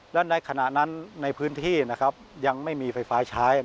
และในขณะนั้นในพื้นที่นะครับยังไม่มีไฟฟ้าใช้